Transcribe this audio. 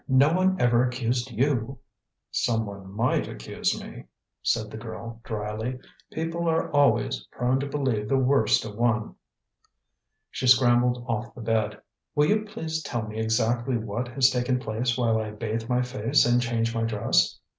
no one ever accused you." "Someone might accuse me," said the girl dryly. "People are always prone to believe the worst of one." She scrambled off the bed. "Will you please tell me exactly what has taken place while I bathe my face and change my dress?"